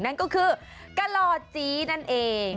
นั่นก็คือกะหล่อจีนั่นเอง